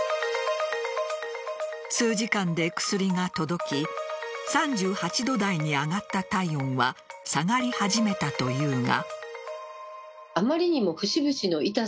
数時間で薬が届き３８度台に上がった体温は下がり始めたというが。